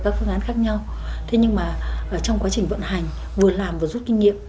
thương án khác nhau thế nhưng mà trong quá trình vận hành vừa làm vừa rút kinh nghiệm